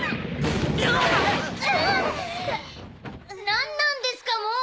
何なんですかもう！！